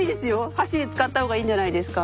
箸使った方がいいんじゃないですか？